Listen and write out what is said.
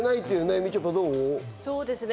みちょぱ、どう？